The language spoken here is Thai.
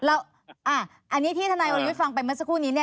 อันนี้ที่ธนายวรยุทธฟังไปเมื่อสักครู่นี้